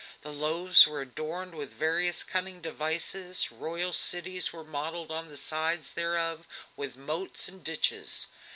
The loaves were adorned with various cunning devices, royal cities were modelled on the sides thereof, with moats and ditches.